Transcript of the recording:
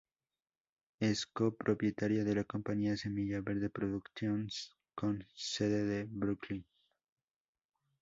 Es co propietaria de la compañía Semilla Verde Productions Ltd con sede en Brooklyn.